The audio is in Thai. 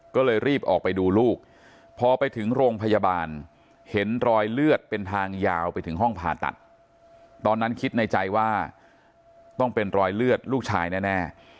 ก็เลยรีบออกไปดูลูกพอไปถึงโรงพยาบาลเห็นรอยเลือดเป็นทางยาวไปถึงห้องผ่าตัดตอนนั้นคิดในใจว่าต้องเป็นรอยเลือดลูกชายแน่